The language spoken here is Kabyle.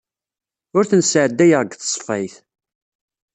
Ur ten-sɛeddayeɣ deg tṣeffayt.